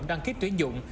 đăng ký tuyến dụng